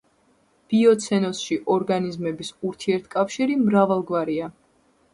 ბიოცენოზში ორგანიზმების ურთიერთკავშირი მრავალგვარია.